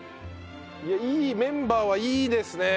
いいメンバーはいいですね。